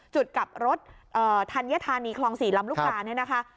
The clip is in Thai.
จุดกับรถธัญภาษณีย์คลอง๔ลำลูกกานะคะ